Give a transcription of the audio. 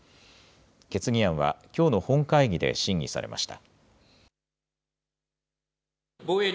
決議案はきょうの本会議で審議されました。